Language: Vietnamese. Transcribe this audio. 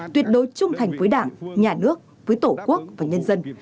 tuyệt đối trung thành với đảng nhà nước với tổ quốc và nhân dân